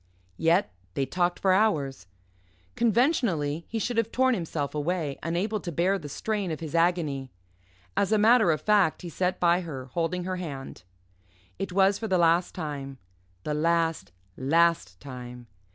Yet they talked for hours. Conventionally he should have torn himself away, unable to bear the strain of his agony. As a matter of fact, he sat by her holding her hand. It was for the last time the last, last time.